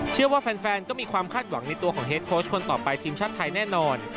แฟนก็มีความคาดหวังในตัวของเฮดโค้ชคนต่อไปทีมชาติไทยแน่นอน